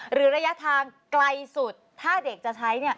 หรือระยะทางไกลสุดถ้าเด็กจะใช้